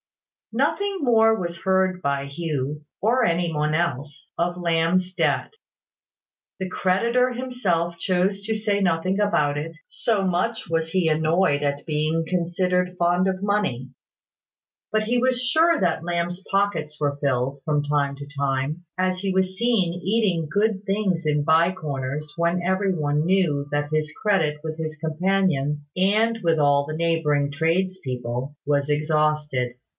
Nothing more was heard by Hugh, or any one else, of Lamb's debt. The creditor himself chose to say nothing about it, so much was he annoyed at being considered fond of money; but he was sure that Lamb's pockets were filled, from time to time, as he was seen eating good things in by corners when everybody knew that his credit with his companions, and with all the neighbouring tradespeople, was exhausted.